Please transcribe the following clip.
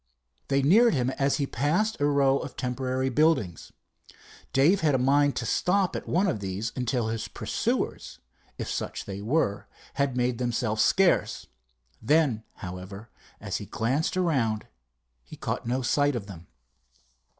They neared him as he passed a row of temporary buildings. Dave had a mind to stop at one of these until his pursuers, if such they were, had made themselves scarce. Then, however, as he glanced around, he caught no sight of them.